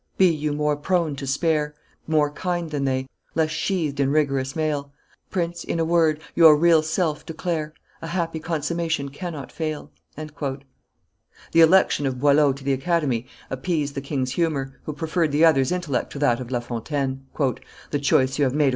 Be you more prone to spare, More kind than they; less sheathed in rigorous mail; Prince, in a word, your real self declare A happy consummation cannot fail." The election of Boileau to the Academy appeased the king's humor, who preferred the other's intellect to that of La Fontaine. "The choice you have made of M.